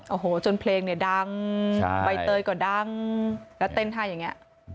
โอ้โหจนเพลงเนี่ยดังใบเตยก็ดังแล้วเต้นให้อย่างนี้